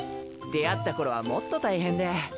出会った頃はもっと大変で。